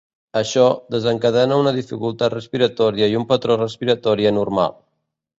Això, desencadena una dificultat respiratòria i un patró respiratori anormal.